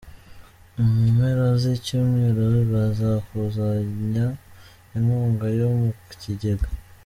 U Mu mpera z’icyumweru bazakuzanya inkunga yo mu kigega